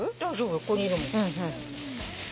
ここにいるもん。